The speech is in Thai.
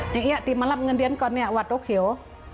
ทีมมารับเงินเดียนก่อนเนี่ยว่าตกเขียว